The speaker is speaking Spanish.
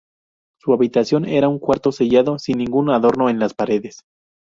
Su habitación era un cuarto sellado sin ningún adorno en las paredes.